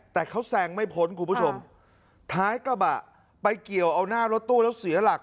แต่เขาแซงไม่พ้นคุณผู้ชมท้ายกระบะไปเกี่ยวเอาหน้ารถตู้แล้วเสียหลัก